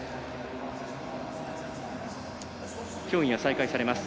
競技が再開されます。